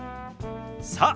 さあ